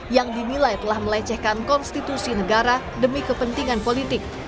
yang dinilai telah melecehkan konstitusi negara demi kepentingan politik